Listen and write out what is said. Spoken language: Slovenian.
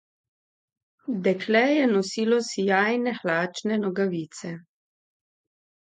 Dekle je nosilo sijajne hlačne nogavice.